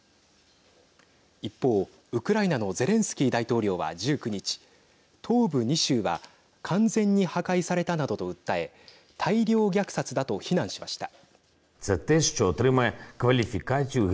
一方、ウクライナのゼレンスキー大統領は１９日東部２州は完全に破壊されたなどと訴え大量虐殺だと非難しました。